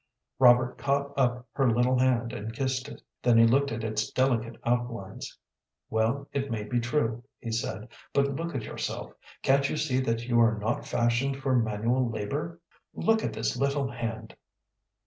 Robert caught up her little hand and kissed it. Then he looked at its delicate outlines. "Well, it may be true," he said, "but look at yourself. Can't you see that you are not fashioned for manual labor? Look at this little hand."